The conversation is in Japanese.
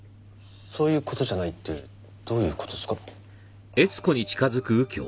そういう事じゃないってどういう事っすか？